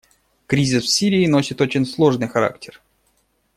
Кризис в Сирии носит очень сложный характер.